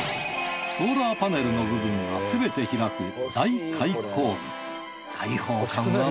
ソーラーパネルの部分がすべて開く大開口部。